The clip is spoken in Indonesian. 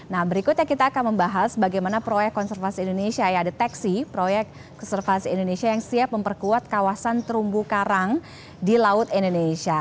nah berikutnya kita akan membahas bagaimana proyek konservasi indonesia ya deteksi proyek konservasi indonesia yang siap memperkuat kawasan terumbu karang di laut indonesia